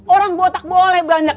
orang botak boleh banyak